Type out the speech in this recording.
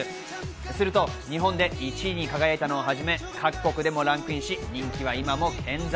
すると日本で１位に輝いたのをはじめ、各国でもランクインし人気は今も健在。